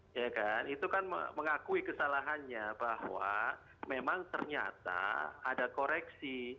ya kan itu kan mengakui kesalahannya bahwa memang ternyata ada koreksi